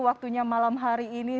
waktunya malam hari ini